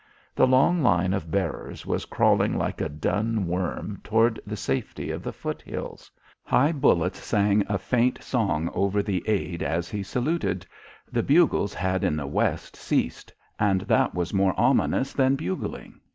The long line of bearers was crawling like a dun worm toward the safety of the foot hills. High bullets sang a faint song over the aide as he saluted. The bugles had in the west ceased, and that was more ominous than bugling.